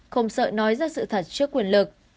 không sợ nói ra sự thật trước quyền lực